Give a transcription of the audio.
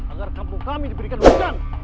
agar kampung kami diberikan hutang